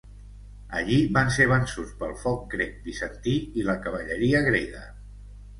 Allí van ser vençuts pel foc grec bizantí i la cavalleria grega.